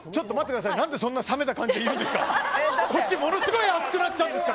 何でそんな冷めた感じで言うんですか。